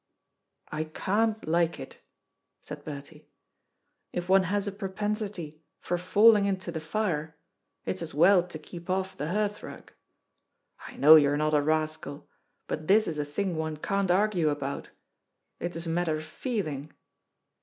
"I can't like it," said Bertie. "If one has a propensity for falling into the fire, it's as well to keep off the hearthrug. I know you're not a rascal, but this is a thing one can't argue about. It is a matter of feeling."